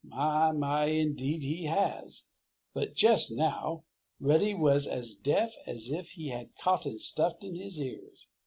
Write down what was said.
My, my, indeed he has! But just now Reddy was as deaf as if he had cotton stuffed in his ears.